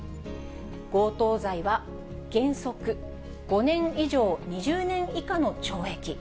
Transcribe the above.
強盗罪は原則５年以上２０年以下の懲役。